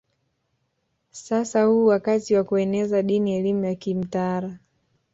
Sasa huu wakati wa kueneza dini elimu ya kimtaala